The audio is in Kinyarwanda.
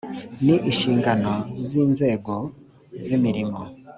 ni inshingano z’ inzego z’ imirimo